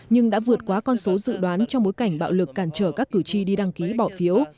nhưng đã vượt qua con số dự đoán trong bối cảnh bạo lực cản trở các cử tri đi đăng ký bỏ phiếu